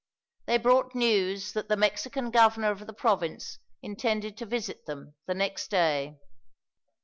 They brought news that the Mexican governor of the province intended to visit them, the next day.